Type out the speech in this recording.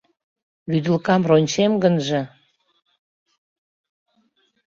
Вÿдылкам рончем гынже